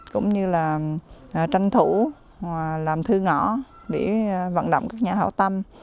cũng như là tranh thủ làm thư ngõ để vận động các nhà hảo tâm